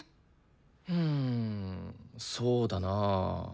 うんそうだな。